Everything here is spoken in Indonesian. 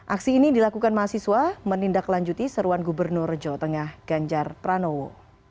aksi ini dilakukan mahasiswa menindaklanjuti seruan gubernur jawa tengah ganjar pranowo